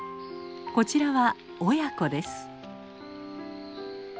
こちらは親子です。